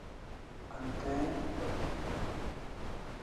انتئے ڈکنہ